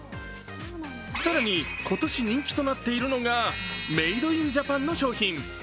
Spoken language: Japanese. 更に、今年人気となっているのがメイドインジャパンの商品。